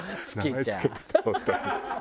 名前付けてた本当に。